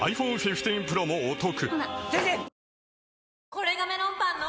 これがメロンパンの！